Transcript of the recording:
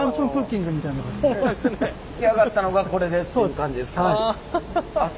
出来上がったのがこれですっていう感じですか。